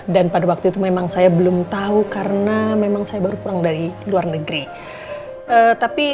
dan pada waktu itu memang saya belum tahu karena memang saya baru pulang dari luar negeri tapi